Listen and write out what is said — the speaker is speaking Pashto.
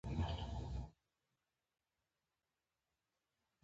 • زوی د مور د زړۀ درد دوا وي.